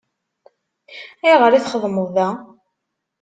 Ayɣer i txeddmeḍ da?